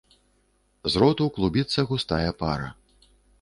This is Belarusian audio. З роту клубіцца густая пара.